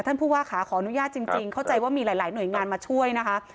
ผู้ว่าขาขออนุญาตจริงเข้าใจว่ามีหลายหน่วยงานมาช่วยนะคะ